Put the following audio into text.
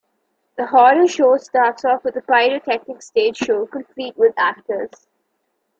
The horror show starts off with a pyrotechnic stage show complete with actors.